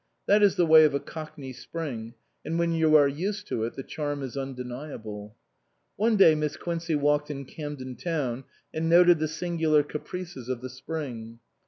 That is the way of a Cockney Spring, and when you are used to it the charm is undeniable. One day Miss Quincey walked in Camden Town and noted the singular caprices of the spring.